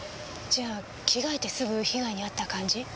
じゃあ着替えてすぐ被害に遭った感じ？